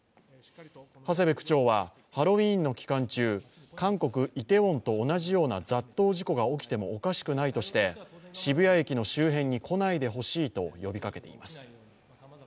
長谷部区長はハロウィーンの期間中、韓国イテウォンと同様の雑踏事故が起きてもおかしくないとして渋谷駅の周辺に来ないでほしいと呼びかけています。